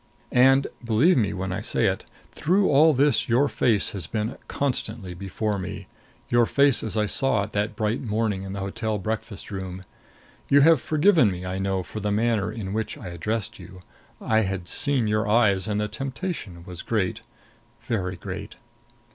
And believe me when I say it through all this your face has been constantly before me your face as I saw it that bright morning in the hotel breakfast room. You have forgiven me, I know, for the manner in which I addressed you. I had seen your eyes and the temptation was great very great.